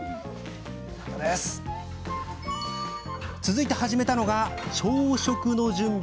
続いて始めたのが朝食の準備。